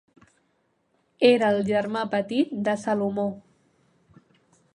Era el germà petit de Salomó.